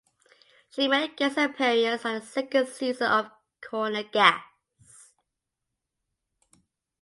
She made a guest appearance on the second season of "Corner Gas".